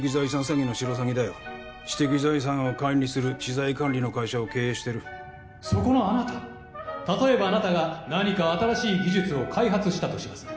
詐欺のシロサギだよ知的財産を管理する知財管理の会社を経営してるそこのあなた例えばあなたが何か新しい技術を開発したとします